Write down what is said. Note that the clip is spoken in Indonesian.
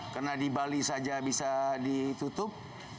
karena di bali saja bisa ditutup